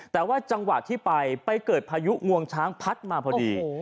แต่ว่าจังหวะที่ไปไปเกิดพายุงวงช้างพัดมาพอดี